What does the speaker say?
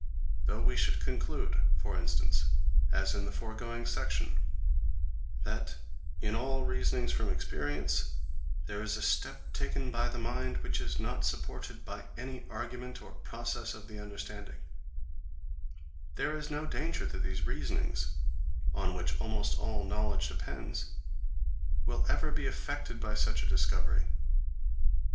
Though we should conclude, for instance, as in the foregoing section, that, in all reasonings from experience, there is a step taken by the mind which is not supported by any argument or process of the understanding; there is no danger that these reasonings, on which almost all knowledge depends, will ever be affected by such a discovery.